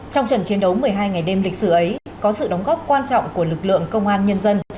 trong trận chiến đấu một mươi hai ngày đêm lịch sử ấy có sự đóng góp quan trọng của lực lượng công an nhân dân